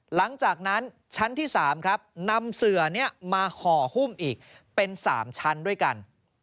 หลังจากนั้นชั้นที่๓ครับนำเสือนี้มาห่อหุ้มอีกเป็น๓ชั้นด้วยกัน